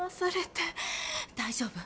大丈夫。